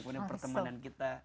kemudian pertemanan kita